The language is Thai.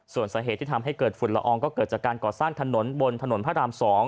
ส่วนสาเหตุที่ทำให้เกิดฝุ่นละอองก็เกิดจากการก่อสร้างถนนบนถนนพระราม๒